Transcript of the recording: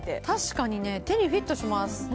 確かにね、手にフィットします。